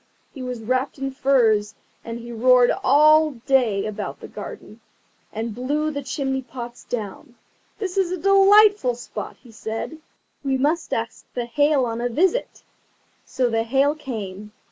He was wrapped in furs, and he roared all day about the garden, and blew the chimney pots down. "This is a delightful spot," he said, "we must ask the Hail on a visit." So the Hail came.